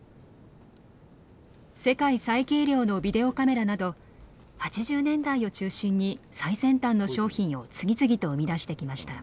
世界最軽量のビデオカメラなど８０年代を中心に最先端の商品を次々と生み出してきました。